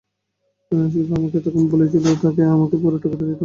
FIFA আমাকে তখন বলেছিল, তারা আমাকে পুরো টাকাটা দিতে পারছে না।